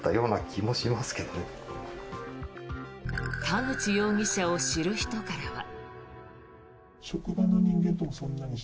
田口容疑者を知る人からは。